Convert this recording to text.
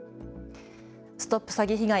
ＳＴＯＰ詐欺被害！